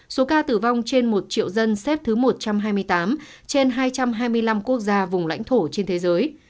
số ca tử vong trên một triệu dân xếp thứ một trăm hai mươi tám trên hai trăm hai mươi năm quốc gia vùng lãnh thổ trên thế giới